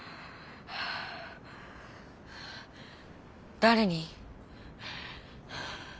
誰に？